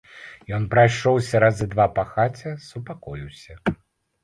Ён прайшоўся разы два па хаце, супакоіўся.